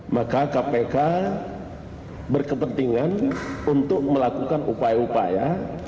maka kpk berkepentingan untuk melakukan upaya upaya